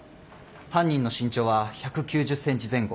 犯人の身長は１９０ｃｍ前後。